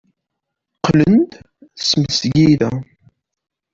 Qqlen-d seg tmesgida.